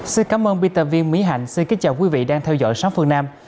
xin cám ơn biên tập viên mỹ hạnh xin kính chào quý vị đang theo dõi sáng phương nam